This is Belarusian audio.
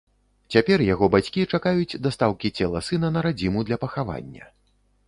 Цяпер яго бацькі чакаюць дастаўкі цела сына на радзіму для пахавання.